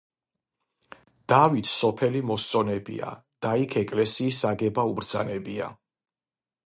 დავითს სოფელი მოსწონებია და იქ ეკლესიის აგება უბრძანებია.